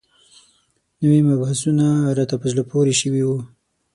نوي مبحثونه راته په زړه پورې شوي وو.